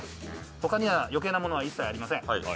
他には余計なものは一切ありません。